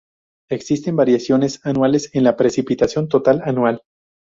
Existen variaciones anuales en la precipitación total anual.